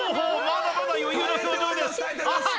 まだまだ余裕の表情です